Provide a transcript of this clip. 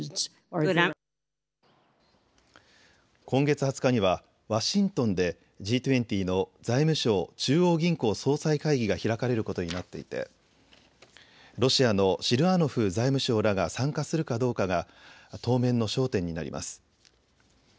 今月２０日にはワシントンでＧ２０の財務相・中央銀行総裁会議が開かれることになっていてロシアのシルアノフ財務相らが参加するかどうかが当面の焦点になります。